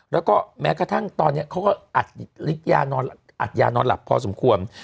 แล้วก็แม้กระทั่งตอนนี้เขาก็อัดยานอนอัดยานอนหลับพอสมควร